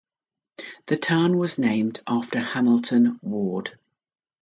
The town was named after Hamilton Ward.